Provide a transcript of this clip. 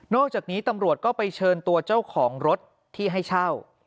อกจากนี้ตำรวจก็ไปเชิญตัวเจ้าของรถที่ให้เช่า